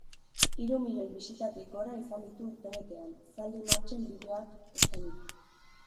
Hiru milioi bisitatik gora izan ditu urtebetean, zaldi martxen bideoak eskainita.